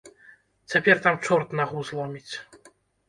Цяпер там чорт нагу зломіць!